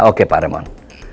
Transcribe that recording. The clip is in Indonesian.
oke pak raymond